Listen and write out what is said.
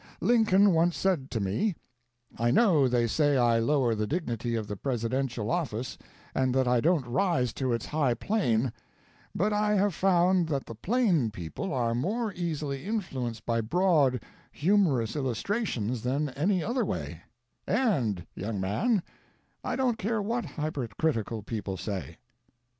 Lincoln once said to me: 'I know they say I lower the dignity of the Presidential office, and that I don't rise to its high plane, but I have found that the plain people are more easily influence by broad, humorous illustrations than any other way, and young man, I don't care what hypercritical people say.'